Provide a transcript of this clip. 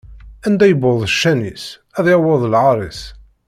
Anda iwweḍ ccan-is, ad yaweḍ lɛaṛ-is.